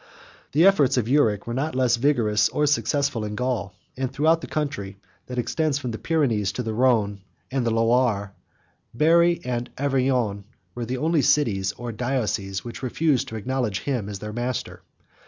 92 The efforts of Euric were not less vigorous, or less successful, in Gaul; and throughout the country that extends from the Pyrenees to the Rhone and the Loire, Berry and Auvergne were the only cities, or dioceses, which refused to acknowledge him as their master.